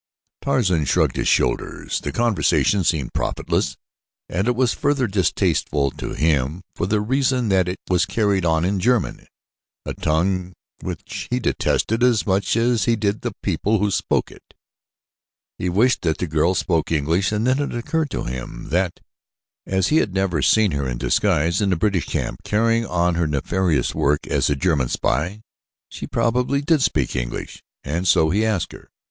Tarzan shrugged his broad shoulders. The conversation seemed profitless and it was further distasteful to him for the reason that it was carried on in German, a tongue which he detested as much as he did the people who spoke it. He wished that the girl spoke English and then it occurred to him that as he had seen her in disguise in the British camp carrying on her nefarious work as a German spy, she probably did speak English and so he asked her.